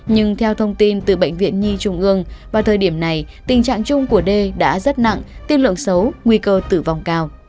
nhưng theo thông tin từ bệnh viện nhi trung ương vào thời điểm này tình trạng chung của đê đã rất nặng tiên lượng xấu nguy cơ tử vong cao